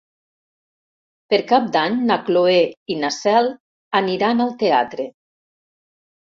Per Cap d'Any na Cloè i na Cel aniran al teatre.